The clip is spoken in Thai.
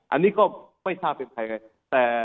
อันนี้ก็ไม่ทราบเป็นใครไง